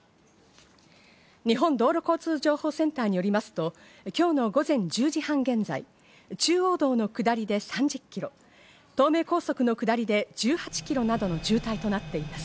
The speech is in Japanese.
日本道路交通情報センターによりますと、今日の午前１０時半現在、中央道の下りで３０ｋｍ、東名高速の下りで１８ｋｍなどの渋滞となっています。